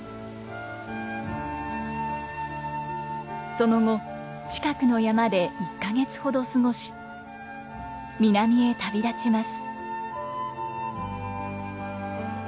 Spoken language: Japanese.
その後近くの山で１か月ほど過ごし南へ旅立ちます。